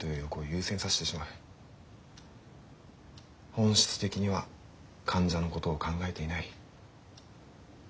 本質的には患者のことを考えていない。